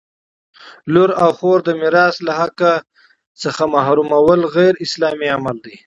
لور او خور د میراث له حق څخه محرومول غیراسلامي عمل دی!